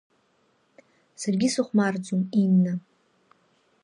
Саргьы сыхәмарӡом Инна.